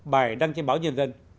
bài đăng trên báo nhân dân